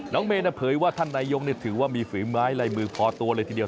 เมนเผยว่าท่านนายกถือว่ามีฝีไม้ลายมือพอตัวเลยทีเดียว